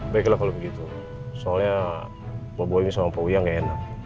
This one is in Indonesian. baiklah kalau begitu soalnya pak boyim sama bu boya gak enak